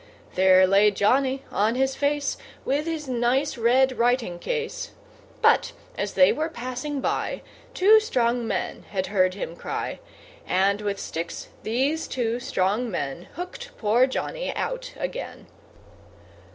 There lay Johnny on his face, With his nice red writing case; But, as they were passing by, Two strong men had heard him cry; And, with sticks, these two strong men Hooked poor Johnny out again.